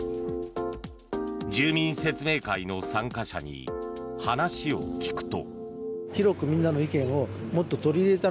住民説明会の参加者に話を聞くと。